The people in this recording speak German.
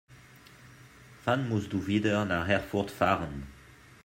Wann musst du wieder nach Erfurt fahren?